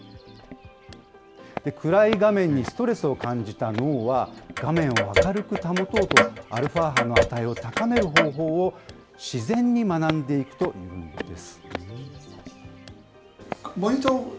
暗い画面にストレスを感じた脳は、画面を明るく保とうと、アルファ波の値を高める方法を自然に学んでいくというんです。